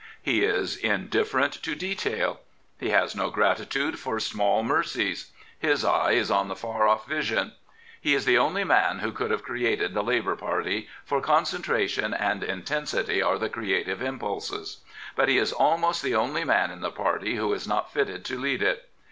He is indifferent to detail. He has no gratitude for small mercies. His eye is on the far off vision. He is the only man who could have created the Labour Party, for concentration and intensity are the creative impulses. But he is almost the only man in the party who is not fitted to lead it.